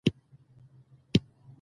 پملا د ټیټ کیفیت کارونه نه مني.